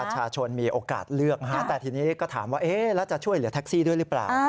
ประชาชนมีโอกาสเลือกนะฮะแต่ทีนี้ก็ถามว่าแล้วจะช่วยเหลือแท็กซี่ด้วยหรือเปล่า